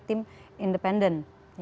jadi kita bisa menggunakan tim independen